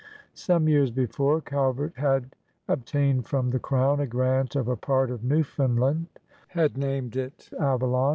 Some years before, Calvert had obtained from the Crown a grant of a part of Newfoundland, had named it Avaloi